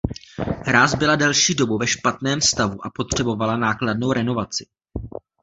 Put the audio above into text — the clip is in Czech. Hráz byla delší dobu ve špatném stavu a potřebovala nákladnou renovaci.